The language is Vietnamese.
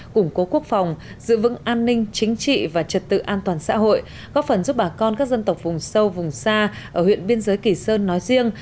củng cố quốc phòng giữ vững an ninh chính trị và trật tự an toàn xã hội góp phần giúp bà con các dân tộc vùng sâu vùng xa ở huyện biên giới kỳ sơn nói riêng